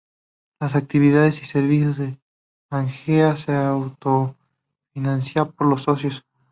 Las actividades y servicios de Pangea se auto-financian por los socios.